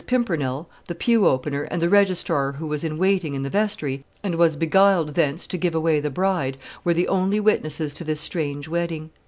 Pimpernel, the pew opener, and the registrar who was in waiting in the vestry, and was beguiled thence to give away the bride, were the only witnesses to this strange wedding.